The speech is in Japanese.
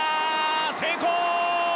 成功！